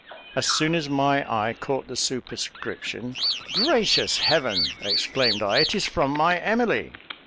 As soon as my eye caught the superscription, "Gracious Heaven!" exclaimed I; "it is from my Emily."